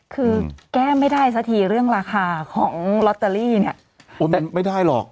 คือแก้ไม่ได้สักทีเรื่องราคาของลอตเตอรี่เนี่ยไม่ได้หรอก